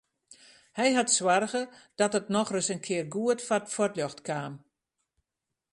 Hy hat soarge dat it nochris in kear goed foar it fuotljocht kaam.